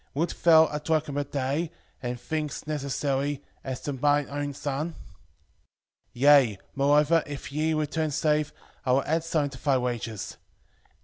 wilt thou a drachm a day, and things necessary, as to mine own son? 5:15 Yea, moreover, if ye return safe, I will add something to thy wages.